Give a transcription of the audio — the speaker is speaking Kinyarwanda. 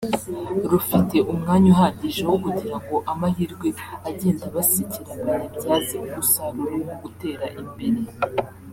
rufite umwanya uhagije wo kugira ngo amahirwe agenda abasekera bayabyaze umusaruro mu gutera imbere